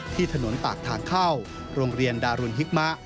ที่ถนนปากทางเข้าโรงเรียนดารุนฮิกมะ